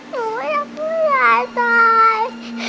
อยากให้ยายตาย